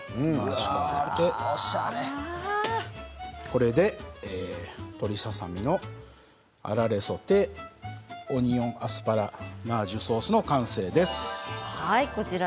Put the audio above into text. これで鶏ささ身のあられソテー、オニオンアスパラナージュソースの完成です。